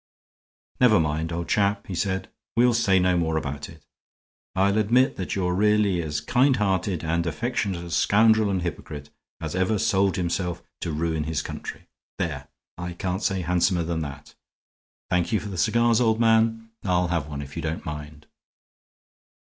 "Never mind, old chap," he said; "we'll say no more about it. I'll admit that you're really as kind hearted and affectionate a scoundrel and hypocrite as ever sold himself to ruin his country. There, I can't say handsomer than that. Thank you for the cigars, old man. I'll have one if you don't mind."